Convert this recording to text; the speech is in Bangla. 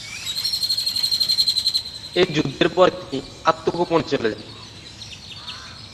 এই যুদ্ধের পরে তিনি আত্মগোপনে চলে যান।